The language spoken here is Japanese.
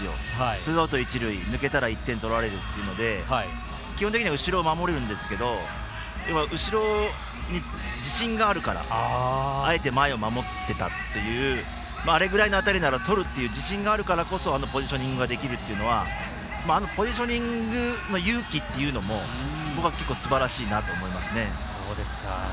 ツーアウト、一塁抜けたら１点取られるというので基本的には後ろを守るんですけど後ろに自信があるからあえて、前を守っていたというあれぐらいの当たりならとるっていう自信があるからこそあのポジショニングができるっていうのはあのポジショニングの勇気っていうのは僕は、結構すばらしいなと思いますね。